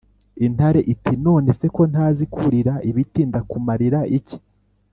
intare iti: “none se ko ntazi kurira ibiti ndakumarira iki?